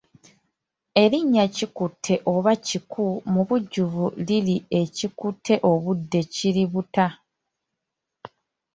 Erinnya Kikutte oba kiku mubujjuvu liri Ekikutte obudde kiributa.